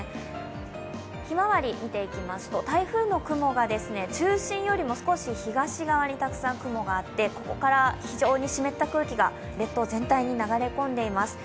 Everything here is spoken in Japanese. ひまわり、見ていきますと、台風の雲が中心よりも少し東側にたくさん雲があって、ここから非常に湿った空気が列島全体に流れ込んでいます。